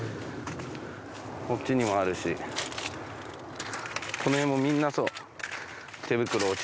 こっちにもあるしこの辺もみんなそう。